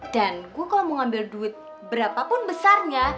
dan gue kalau mau ambil duit berapapun besarnya